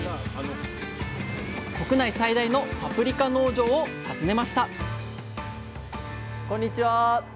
国内最大のパプリカ農場を訪ねましたこんにちは。